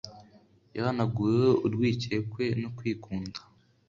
Yahanaguweho urwikekwe no kwikunda